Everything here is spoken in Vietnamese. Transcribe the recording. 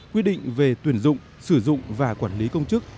quy định về tuyển dụng sử dụng và quản lý công chức